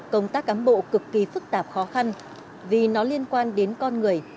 công tác cán bộ cực kỳ phức tạp khó khăn vì nó liên quan đến con người